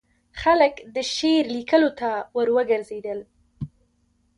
خلک د شعر لیکلو ته وروګرځېدل.